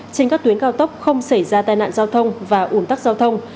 trên các tuyến cao tốc không xảy ra tai nạn giao thông và ủn tắc giao thông